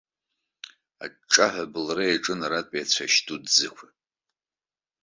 Аҿҿаҳәа абылра иаҿын аратәи ацәашь дуӡӡақәа.